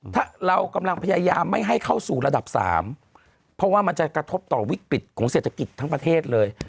ถ้าเรากำลังพยายามไม่ให้เข้าสู่ระดับ๓เพราะว่ามันจะกระทบต่อวิกฤตของเศรษฐกิจทั้งประเทศเลย